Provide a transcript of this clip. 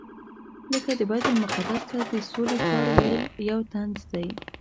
لکه د بیت المقدس ته د سولې ښار ویل یو طنز دی.